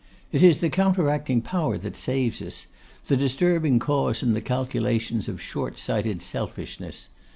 It is the counteracting power that saves us, the disturbing cause in the calculations of short sighted selfishness.